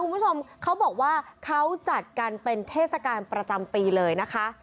คุณผู้ชมเขาบอกว่าเขาจัดกันเป็นเทศกาลประจำปีเลยนะคะ